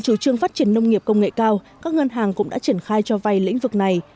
chủ trương phát triển nông nghiệp công nghệ cao các ngân hàng cũng đã triển khai cho vay lĩnh vực này